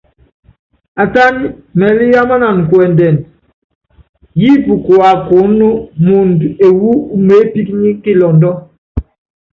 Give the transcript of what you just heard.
Atányí mɛɛlí yámanána kuɛndɛnd, yíípi kuakuúnɔ́ muundɔ ewú umeépíkínyí kilɔndɔ.